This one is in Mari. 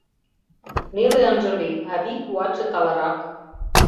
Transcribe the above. Неле ынже лий, а вий-куатше талырак.